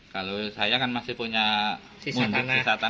kalau saya kan masih punya mundur kisah tanah